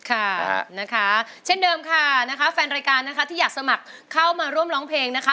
ค่ะนะคะเช่นเดิมค่ะนะคะแฟนรายการนะคะที่อยากสมัครเข้ามาร่วมร้องเพลงนะคะ